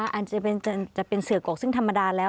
อาจจะเป็นเสือกกซึ่งธรรมดาแล้ว